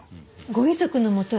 ご遺族のもとへ？